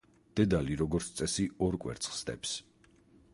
დედალი როგორც წესი, ორ კვერცხს დებს.